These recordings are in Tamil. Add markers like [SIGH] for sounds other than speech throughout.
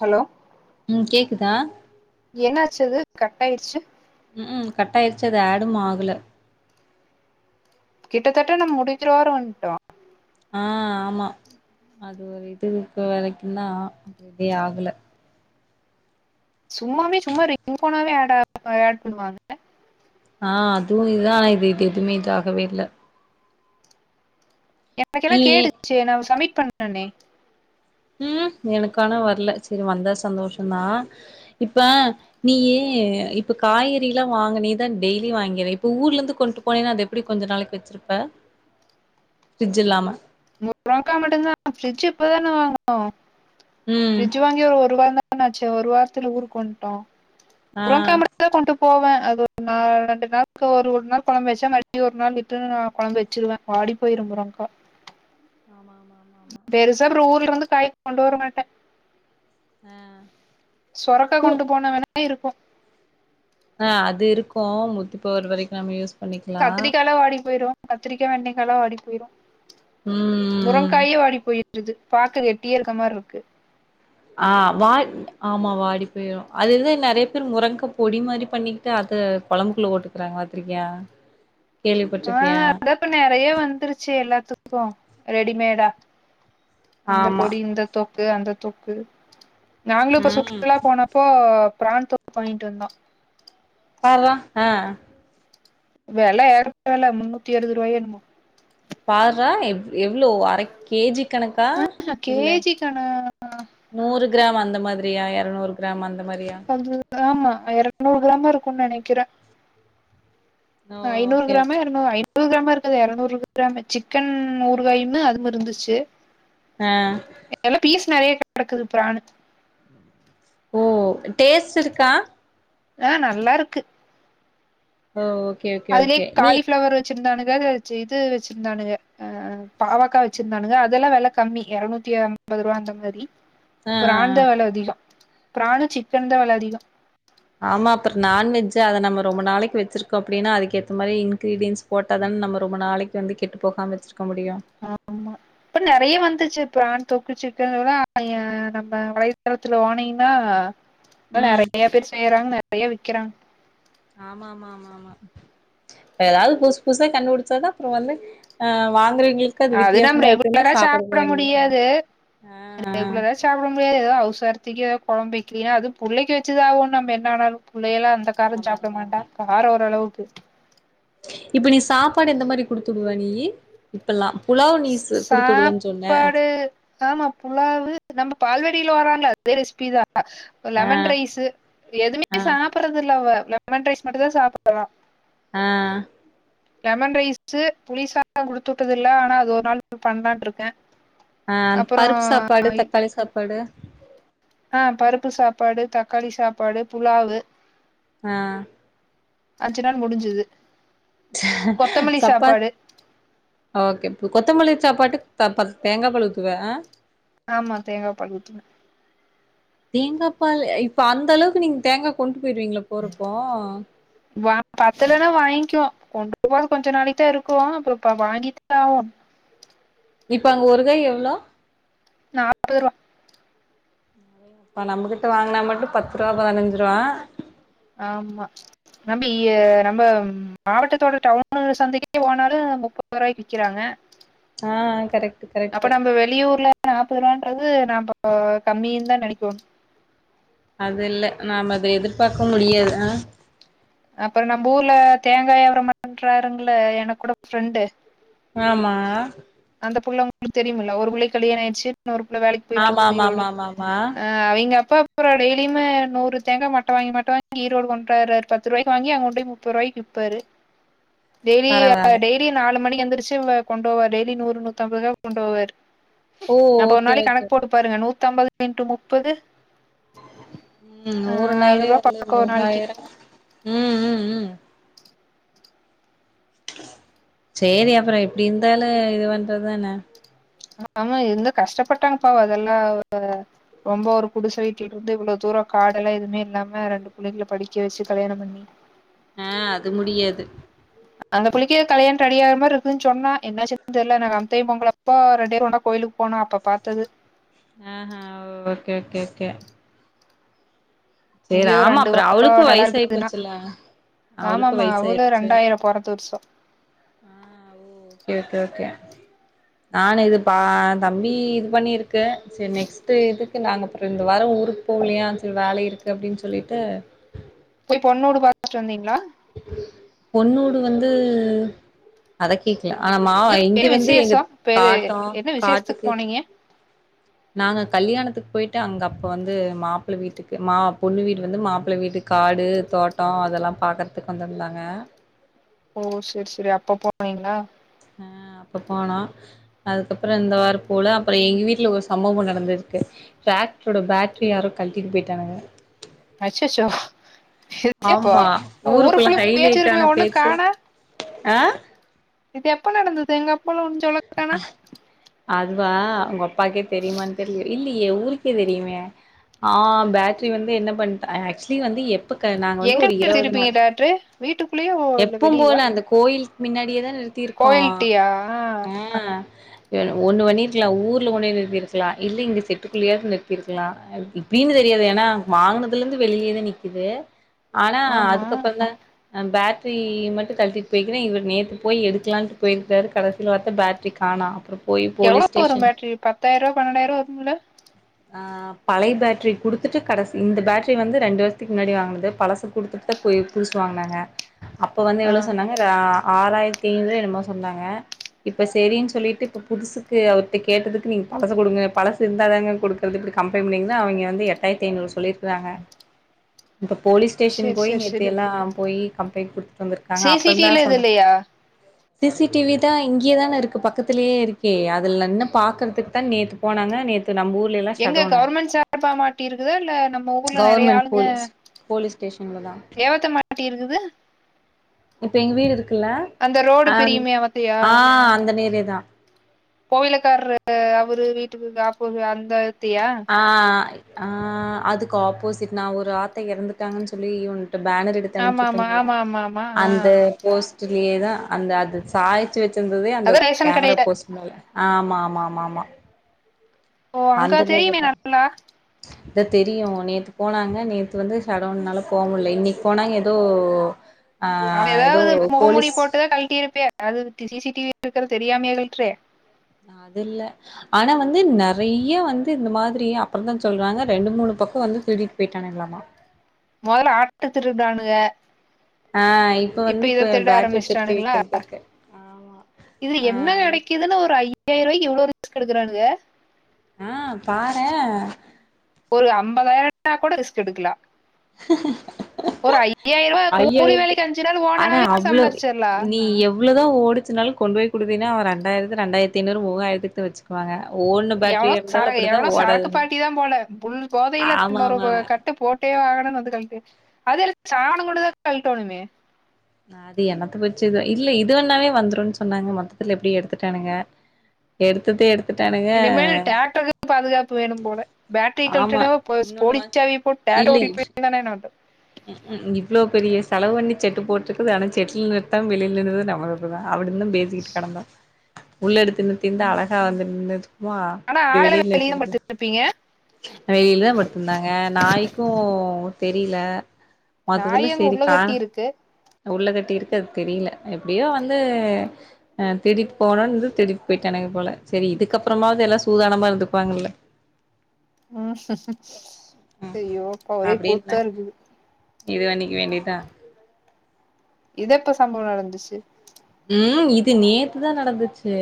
ஹலோ ம் கேக்குதா என்னாச்சது கட் ஆயிடுச்சு ம் ம் கட் ஆயிடுச்சு அது ஏடும் ஆகல கிட்டத்தட்ட நம்ம முடிக்கறோர வன்ட்டோ ஆ ஆமா அது ஒரு இதுக்கு வரைக்குந்தா இதே ஆகல சும்மாவே சும்மா ரிங் போனாவே ஆட் ஆகு ஆட் பண்ணுவாங்க ஆ அதுவு இதா ஆனா இது எதுமே இது ஆகவே இல்ல எனக்கெல்லா நீ ஏ- கேட்டுச்சே நா சப்மிட் பண்ட்டனே ம் எனக்கானா வர்ல செரி வந்தா சந்தோஷந்தா இப்ப நீயு இப்ப காய்கறிலா வாங்க நீதா டெய்லி வாங்கிற இப்ப ஊர்ல இருந்து கொண்டு போனின்னா அது எப்படி கொஞ்ச நாளைக்கு வெச்சுருப்ப ஃப்ரிட்ஜ் இல்லாம முரங்க்கா மட்டுந்தா ஃபிரிட்ஜ் இப்பதான வாங்குனோ ம் ஃப்ரிட்ஜ் வாங் கி ஒரு வாரந்தான ஆச்சு ஒரு வாரத்துல ஊருக்கு வன்ட்டோ ஆ முரங்க்கா ம ட்டுந்தா கொண்டு போவே அது ஒரு நா ரெண்டு நாளக்கி ஒரு நாள் கொழம்பு வெச்சா மறுடி ஒரு நாள் விட்டு நா கொழம்பு வெச்சுருவே வாடிப்போயிரு முரங்க்கா ஆமாமாமாமா பெருசா அப்ற ஊர்ல இருந்து காய் கொண்டு வர மாட்ட ஆ சொரக்கா தூ கொண்டு போனா வேணா இருக்கு ஆ அது இருக்கு முத்தி போற வரைக்கு நம்ம யூஸ் பண்ணிக்கலா கத்திரிக்காலா வாடி போயிரு கத்திரிக்கா வெண்டைக்காலா வாடி போயிரு ம் முரங்க்காயே வாடி போயிடுது பாக்க கெட்டியா இருக்க மார்ருக்கு ஆ வா ஆமா வாடி போயிரு அதெத நெறைய பேர் முரங்க்கா பொடி மாரி பண்ணிட்டு அத கொழம்புக்குள்ள போட்டு க்றாங்க பாத்திருக்கியா [INAUDIBLE] ஆ கேள்விப்பட்ருக்கியா அதான் இப்ப நெறையா வந்துருச்சு எல்லாத்துக்கு ரெடிமேடா அந்த ஆமா பொடி இந்த தொக்கு அந்த தொக்கு நாங்களு இப்ப ம் சுற்றுலா போன ப்போ பிராண் தொக்கு வாங்கிட் வந்தோ பார்ரா அ வெல [UNINTELLIGIBLE] ஏற்றத்தால முன்னூத்தி அருவதுருவாயோ என்னமோ பார்ரா எவ் எவ்ளோ அரக் கே ஜி கணக்கா இல்ல கேஜி கணா நூறு கிராம் அந்த மாதிரியா எறநூறு கிராம் அந்த மாரியா அது ஆமா எறநூறு கிராம இருக்குன் நெனைக்கறே ஓ ஐநூறு ஓகே கிராமா ஓகே ஐநூறு கிராம இருக்கது எறநூறு கிராமு சிக்கன் நூருவாயூமு அதும் இருந்துச்சு அ எல்லா பீஸ் நெறைய கெடக்குது ப்ரானு ஓ டேஸ்ட் இருக்கா ஆ நல்லா இருக்கு ஓ ஓகே ஓகே அதுலே ஓகே நீ காலிஃப்ளவர் வெச்சிருந்தானுங்க [UNINTELLIGIBLE] இது வெச்சிருந்தானுக ஆ பாவக்கா வெச்சிருந்தானுங்க அதல்லா வெல கம்மி இரநூத்தி அம்பது ருவா அந்த மாரி ஆ ப்ரான்தா வெல அதிகோ பிரானு சிக்கன்தா வெல அதிகோ ஆமா அப்பற நான்வெஜ்ஜு அத நம்ம ரொம்ப நாளைக்கு வெச்சிருக்கோ அப்டின்னா அதுக்கு ஏத்த மாரி இன்கிரீடியன்ஸ் போட்டா தான நம்ம ரொம்ப நாளைக்கு வந்து கெட்டு போகாம வெச்சுருக்க முடியு ஆமா இப்ப நெறைய வந்துர்ச்சு இப்ப பிரான் தொக்கு சிக்கன் [UNINTELLIGIBLE] அ நம்ம வலைத்தளத்துல போனீன்னா [INAUDIBLE] ம் நெறைய பேர் செய்றாங்க நெறையா விக்கறாங்க ஆமாம்மாம்மாம்மா எதாவ்து புதுசு புதுசா கண்டுபிடிச்சாதா அப்பறோ வந்து ஆ வாங்கறவீங்களுக் கு அது நம்ம வித்தியாசமா இருக்கன்னே ரெகுலரா சாப்பட சாப்ட [UNINTELLIGIBLE] ஆ உள்ளதா சாப்பட முடியாது எதோ அவ்சார்த்திக்கு எதா கொழம்பு வெக்லினா அது புள்ளக்கி வெச்சதாகுன் நம்ப என்னவேனாலு புள்ளையல்லா அந்த காரஞ் ஆமா சாப்ட ஆமா மாட்டா ஆமா காரோ ஓரளவுக்கு இப்ப நீ சாப்பாடு எந்த மாரி குடுத்தூடுவ நீயி இப்பல்லா புலாவ் நீஸ்ஸு குடுத்துடுவன் சொன்ன சாப்பாடு ஆமா புலாவு நம்ம பால்வாடில வராங்கள அதே ரெசிபி தா [INAUDIBLE] ஆ லெமன் ரைஸு ஆ எதுமே சாப்பட்றதுல்ல அவ லெமன் ரைஸ் மட்டுதா சாப் [INAUDIBLE] அ லெமன் ரைஸு புலி [INAUDIBLE] குடுத்தூட்டதுல்ல அனா அது ஒரு நாள் பண்லான்ருக்க ஆ பருப்பு சாப்பாடு தக்காளி சாப்பாடு ஆ பருப்பு சாப்பாடு தக்காளி சாப்பாடு புலாவு அ அஞ்சு நாள் முடிஞ்சுது கொத்தமல்லி சப்பா சாப்பாடு ஓகே கொத்தமல்லி சாப்பாட்டுக் த பத் தேங்காபாலுத்துவ அ ஆமா தேங்காபால் ஊத்துவ தேங்காப்பால் இப்ப அந்த அளவுக்கு நீங்க தேங்கா கொண்ட்டு போயிடுவீங்கள போறப்போ வா பத்தலன்னா வாங்கிவோ [INAUDIBLE] போறது கொஞ்ச நாளைக்கு தா இருக்கு அப்பறோ இப்ப வாங்கிதா [INAUDIBLE] இப்ப அங்க ஒரு காய் எவ்வளோ நாப்பதுருவா நறையா இப்ப நம்பகிட்ட வாங்கனா மட்டு பத்து ருவா பதினஞ்சு ருவா ஆமா நம்பி நம்ப மாவட்டத்தோட டவுனு சந்தைக்கே போனாலு முப் [INAUDIBLE] ரூபாய் விக்கறாங்க ஆ கரெக்ட்டு கரெக்ட்டு வெளியூர்ல நாப்பது ரூபான்றது நம்போ கம்மினுதா நெனைக்கோனு அது இல்ல நாம அது எதிர்பார்க்கம் முடியாது அப்பற நம்ம ஊர்ல தேங்காயாபாரம் பண்றாருங்கள எனக்கூட ஃப்ரெண்டு ஆமா அந்த புள்ள உங்களுக்கு தெரியும்முல்ல ஒரு புள்ளைக்கி கல்யாண ஆயிருச்சு இன்னொரு புள்ள வேலைக்கு போயிட்டு ஆமா இருக்கு ஆமா ஈரோடு ஆமா ஆமா ஆமா அ ஆ அவங்க அப்பா கூட டெய்லியுமே நூறு தேங்க மட்ட வாங்கி மட்ட வாங்கி ஈரோடு கொண்டுவாராரு பத்து ரூவாய்க்கி வாங்கி அங்க கொண்டே முப்ப ரூவாக்கி விப்பாரு டெய்லி ஆ பரவால்ல டெய் லி நாலு மணிக்கி எந்திரிச்சு வ கொண்டு போவ டெய்லி நூறு நூத்தம்ரூவா கொண்டு போவாரு ஓ அப்ப ஒரு ஓகே நாளைக்கு ஓகே கணக்கு போட்டு பாருங்க நூத்தம்பது இன்டு முப்பது ம் ஆ ஊருனாவே ஐநூறுவா வந்து பக்கோ ஒரு நாளைக்கு மூவாயிரம் ம் ம் ம் செரி அப்பற எப்டி இருந்தாலு இது பண்றதானே ஆமா இருந்த கஷ்டப்பட்டாங்கப் பாவோ அதெல்லா ஓ ரொம்ப ஒரு குடிச வீட்ல இருந்து இவ்ளோ தூரோ காடெல்லா எதுமே இல்லாம ரெண்டு புள்ளைங்கள படிக்க வச்சு கல்யாணம் பண்ணி ஆ அது முடியாது அந்த புள்ளைக்கி கல்யாண ரெடி ஆற மாரி இருக்குன்ன சொன்னா என்னச்சுன்னு தெர்ல நாங்க [UNINTELLIGIBLE] டைம் பொங்கலப்ப ரெண்டு வேறு ஒண்ணா கோயிலுக் போனோ அப்ப பாத்தது ஆ ஹ ஓகே ஓகே ஓகே சேரி எங்கேயோ ஆமா ரெண்டு அப்புறோ பக்கோ அவளுக்கு நல்லா வயசாயி இருந்ததுன்னா போச்சுல்ல ஆமா அவளுக்கு ஆமா அவளு வயசாயிடுச்சு ரெண்டாயிரம் பொறந்து வர்ஷோ ஆ ஓ ஓகே ஓகே ஓகே [UNINTELLIGIBLE] நானு இது பா தம்பி இது பண்ணியிருக்கு செரி நெக்ஸ்ட்டு இதுக்கு நாங்க அப்பற இந்த வார ஊருக் போலையா செரி வேல இருக்கு அப்டின்னு சொல்லிட்டு போய் பொண்ணோடு பாத்துட்டு வந்தீங்களா பொண்ணூடு வந்து அத கேக்ல ஆனா மாவ இல்ல இங்க என்ன வந்து எங்க விசேஷோ பேரு காட்டோ என்ன விசேஷத்துக்கு காட்டுக்கு போனீங்க நாங்க கல்யாணத்துக்கு போயிட்டு அங்க அப்ப வந்து மாப் பிள வீட்டுக்கு மா பொண்ணு வீடு வந்து மாப்பிள வீட்டு காடு தோட்டோ அதெல்லா பாக்குறதுக்கு வந்துருந்தாங்க ஓ செரி செரி அப்ப போனீங்ளா ஆ அப்ப போனோ அதுக்கு அப்பற இந்த வார போல அப்பற எங்க வீட்ல ஒரு சம்பவம் நடந்திருக்கு டிராக்டரோட பேட்ரிய யாரோ கழட்டிட்டு போயிட்டானுங்க அச்சச்சோ அப்போ ஆமா ஊரு ஊருக்குள்ள ஃபுல்லா பேச்சு ஹைலைட் இருக்குமே ஆன ஒண்ணு பேச்சே காணா ஆ இது எப்ப நடந்தது எங்க அப்பால்லா ஒன்னு சொல்லக் அதுவா உங்க அப்பாக்கே தெரியுமான்னு தெரிய இல்லையே ஊருக்கே தெரியுமே ஆ பேட்ரி வந்து என்ன பண்ட் ஆக்சுவலி வந்து எப் ப நாங்க வந்து எங்க ஒரு இருவது இருப்பீங்க நாள் டாக்ட்ரு வீட்டுக்குள்ளேயோ இல்ல எப்போம் போல வெளியவா அந்த கோயில்க் மின்னாடியே தா நிறுத்தியிருக்கோ கோயில்ட்டியா ஆ ஒண்ணு வண்ணியிருக்கலா ஊர்ல கொண்டே நிறுத்திருக்லா இல்ல இங்க செட்டுக்குள்ளயாவது நிறுத்திருக்லா எப்டி அப்டின்னு தெரியாது ஏனா வாங்கினதுல இருந்து வெளியேதா நிக்குது ஆனா ஆமா அதுக்கு அப்பறந்தா பேட்ரி மட்டு கழட்டிட்டு போய்க்கிறே இவர் நேத்து போய் எடுக்கலான்ட்டு போயிருக்கறாரு கடஸ் சில பாத்தா பேட்ரி காணா அப்பற எவ்ளோ வரு பேட்ரி பத்தாயிரருவ பன்னெண்டாயிரருவா வருங்களா ஆ பழைய பேட்டரி குடுத்துட்டு கடசி இந்த பேட்டரி வந்து ரெண்டு வருஷத்துக்கு முன்னாடி வாங்குனது பழசு குடுத்துட்டு ப்ப போய் புதுசுவாங்குனாங்க அப்ப வந்து ஆ எவ்ளோ சொன்னாங்க கா ஆ ஆறாயிரத்தி தீங்கு என்னமோ சொன்னாங்க இப்ப செரின்னு சொல்லிட்டு இப்ப புதுசுக்கு அவர்ட்ட கேட்டதுக்கு நீங்க பழச குடுங்க பழசு இருந்தா தாங்க குடுக் குர்து இப்டி கம்ப்ளைன் பண்ணீங்கன்தா அவிய்ங்க வந்து எட்டாயிரத்து ஐநூறு சொல்லிருக்குறாங்க இப்ப போலீஸ் ஸ்டேஷன் சேரி போய் சேரி நேற்று சேரி எல்லா போயி கம்ப்ளைண்ட் குடுத் சி சி டிவில இது இல்லயா சி சி டிவி தா இங்கேயே தான இருக்கு பக்கத்திலயே இருக்கே அதுல்ல என்ன பாக்கறதுக்கு தா நேத்து போனாங்க நேத்து நம்ம ஊர்லே ல்லா எங்க கவர்மெண்ட் சா ர்பா மாட்டி இருக்குதா இல்ல நம்ம ஊர்ல நெறைய கவர்மெண்ட் ஆளுங்க போலீஸ் போலீஸ் ஸ்டேஷன்ல தா ஏவத்த மாட்டி இருக்குது இப்ப எங்க வீடு இருக்குல்ல அந்த ரோடு அந் பிரியுமே அவத்தையா ஆ அந்த நேரே தா கோவிலக்கார்ரு அவரு வீட்டுக்கு காப்போ அந்த இத்தியா ஆ ஆ ஆ அதுக்கு ஆப்போசிட் நா ஒரு ஆத்த எறந்துட்டாங்கனு சொல்லி உன்ட பேனர் எடுத் எடுத்து ஆமா ஆமா அனுப்புச்சுவிட்டங்கள ஆமா ஆமா ஆமா ஆ அந்த போஸ்ட்லயே தா அந்த அது சாயிச்சு வச்சிருந்ததே அந்த அதா ரேஷன் கேமரா கடையில போஸ் மேல ஆமா ஆமா ஆமா ஆமா ஓ அந்த அங்க நேரு தெரியுமே தா நல்லா இத தெரியு நேத்து போனாங்க நேத்து வந்து சடோன்னால போ முல்ல இன்னைக்கி போனாங்க எதோ அவ ஏதாவது மொகமூடி போட்டுதா கழட்டியிருப்பே அது தி சி சி டிவி இருக்கிற தெரியாமயே ழிழ்ற்றே அது இல்ல ஆனா வந்து நெறைய வந்து இந்த மாதிரி அப்பறோ தா சொல்றாங்க ரெண்டு மூணு பக்கோ வந்து திருடிட்டு போயிட்டானுங்களாமா மொதல்ல ஆட்டு திருடானுங்க ஆ இப்ப வந்து இத இப்ப திருட பேட்டரி திருட்டு வைக்கிறது இருக்கு இதுல என்ன கெடைக்குதுன்னு ஒரு அய் யாயிர ரூவாய்கு இவ்ளோ ரிஸ்க் எடுக்குறானுக ஆ பாரே ஒரு அம்பதாயிரோ நா கூட ரிஸ்க் எடுக்கலா ஒரு ஐயாயிர ரூவா கூலி வேலைக்கு ஐயாயிரத்துக்கு அஞ்சு நாளு ஓனராவே சம்பாச்சிர்லா இவ்ளதா ஒடிச்சினாலு கொண்டு போய் குடுத்தினா அவ ரெண்டாயிரத்து ரெண்டாயத்தி ஐநூறு முவாயிரத்துக்கு வச்சு எவனோ சரக்கு எவனோ சரக்கு ஓடாதுன்னு பார்டி தா போல புள் போதைல ஆமா இன்னொரு ஆமா ப ஆமா கட்டு போட் ட்டே ஆகணு வந்து கழட்டு அது எடுத் சாணோ குடுதா கழட்டோணுமே அது எனக்கு வச்சுதா இல்ல இது வண்ணாவே வந்துருன்னு சொன்னாங்க மொத்தத்துல எப்டி எடுத்துட்டானுங்க எடுத்துட்டு எடுத் இனிமேல் டிராக்டருக்கு பாதுகாப்பு வேணு போல பேட்டரிய ஆமா கழட்டுடோ போச்சு இன்னொன்னு வா போலிச்சாவி போட்டு டிராக்ட்ரு இல்ல ஓட்டிட்டு போய் தான என்ன பண்றது ம் ம் க்கு இவ்வளோ பெரிய செலவு பண்ணி செட்டு போட்டுருக்குது ஆனா செட்டில நிறுத்தாம வெளில நிறுத்து நம்ம தப் அப்டிதா அவனிடந்த பேசிக்கிட்டு கெடந்தா உள்ள எடுத்துன்னு திந்தா அழகா வந்துருந்துனுக்குமா ஆனா இப்டி ஆளை வெளியூர்ல வெளியே தான் இருக்குறது படுத்துருப்பீங்க ரயில்லதா படுத்திருந்தாங்க நாய்க்கு தெரில மொத்தத்துல நாய் அங்க செரி உள்ள கா கட்டி இருக்கு உள்ள கட்டி இருக்கு அது தெரில எப்டியோ வந்து அ திருடிட்டு போனுனு இருந்துது திருடிட்டு போயிட்டானுங்க போல செரி இதுக்கு அப்பறமாவது எல்லா சூதானமா இருந்துப்பாங்கல்ல ம் செய்யோ அப்பா ஓரே கூத்தா அப்டின்னு இருக்குது இது வண்ணிக்க வேண்டியதா இது எப்ப சம்பவோ நடந்துச்சு ம் இது நேத்துதா நடந்துச்சு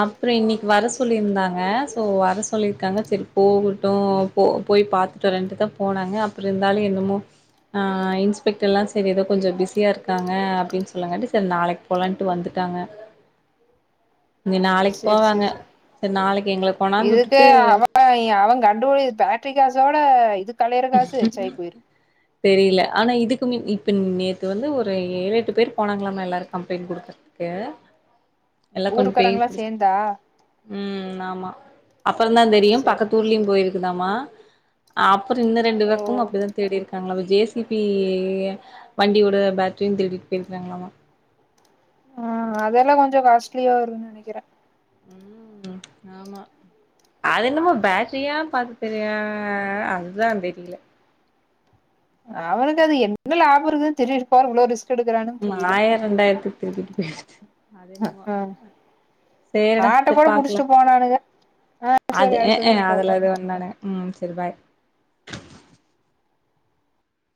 அப்றோ இன்னைக்கு வர சொல்லியிருந்தாங்க ஸோ வர சொல்லியிருக்காங்க செரி போகட்டு போ போய் பாத்துட்டு வரேன்ட்டு தா போனாங்க அப்பறோ இருந்தாலு என்னமோ ஆ இன்ஸ்பெக்ட் எல்லா சரி ஏதோ கொஞ்சோ பிஸியா இருக்காங்க அப்டின் சொல்லாங்கட்டி சர் நாளைக்கு போலான்ட்டு வந்துட்டாங்க இங்க நாளைக்கு சரி போவாங்க சரி சரி செரி நாளைக்கு எங்கல கொணாந்து வுட்டுட்டு [UNINTELLIGIBLE] அவங் கண்டுபுடி பேட்ரி காசோட இது கலையிற காசு எச்சாயி போயிருக்கு தெரியல ஆனா இதுக்கு மின் இப்ப நேத்து வந்து ஒரு ஏழு எட்டு பேர் போனாங்களாமா எல்லாரு கம்ப்ளைண்ட் குடுக்க கே எல்லா கொண்டு போய் ஊருக்காரங்களாம் முடுச்ட்டு சேர்ந்தா ம் ஆமா அப்புறதா தெரியும் சரி பக்கத்துர்லயும் போயிருக்குதாமா ஆ அப்றோ இன்னு ரெண்டு ஓ பக்கமு அப்டிதா தேடிருக்காங்ளா விஜேஸ் இப்பி வண்டியோட பேட்ரியு திருடிட் போயிருக்கிறாங்ளாமா ஆ அதெல்லா கொஞ்சோ காஸ்ட்லியா வருன்னு நெனைக்குறே ம் ஆமா அதென்னமோ பேட்ரியா பாத்து தெரியா அதுதா தெரில அவனுக்கு அது என்ன லாபோ இருக்குன் தெரியிறக்காக இவ்ளோ ரிஸ் ம் ஆயிர ரெண்டாயிரத்துக்கு ஆ [INAUDIBLE] சேரிடா ஆட்ட செரி கூட பாக்கலா புடிச்சிட்டு போனானுங்க அது சரி அடுத்த கத பாப்போ அதுல இது வந்தோனே ம் செரி பாய்